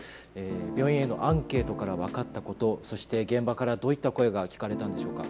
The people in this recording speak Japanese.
病院へのアンケートから分かったことそして現場からどういった声が聞かれたんでしょうか。